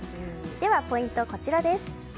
ではポイント、こちらです。